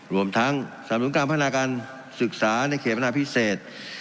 รวมทั้งสำนุนการพัฒนาการศึกษาในเขตพัฒนาพิเศษ